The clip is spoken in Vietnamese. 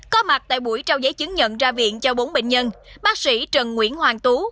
có mặt tại buổi trao giấy chứng nhận ra viện cho bốn bệnh nhân bác sĩ trần nguyễn hoàng tú